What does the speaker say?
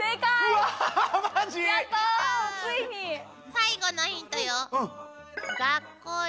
最後のヒントよ。